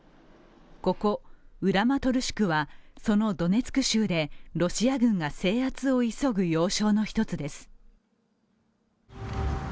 ここクラマトルシクはそのドネツク州でロシア軍が制圧を急ぐ要衝の１つです。